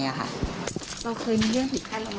เราเคยมีเรื่องถือขั้นรมารกันกัน